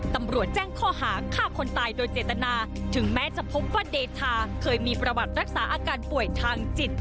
ตำรวจแจ้งข้อหาฆ่าคนตายโดยเจตนาถึงแม้จะพบว่าเดทาเคยมีประวัติรักษาอาการป่วยทางจิต